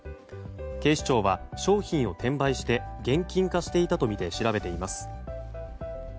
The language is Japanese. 警視庁は商品を転売して現金化していたとみて調べています。